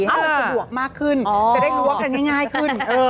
ให้มันสะดวกมากขึ้นจะได้ล้วงกันง่ายขึ้น